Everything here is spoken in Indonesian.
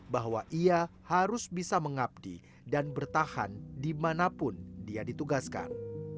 bahwa ia harus bisa mengabdi dan bertahan dimanapun dia ditugaskan